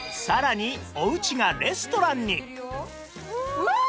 うわ！